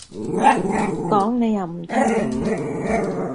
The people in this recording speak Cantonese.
講你又唔聽